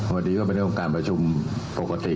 ทีนี้ก็เป็นเรื่องประชุมปกติ